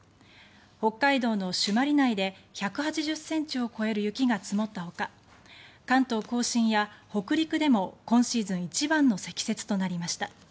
北海道の朱鞠内で１８０ｃｍを超える雪が積もったほか関東・甲信や北陸でも今シーズン一番の積雪となりました。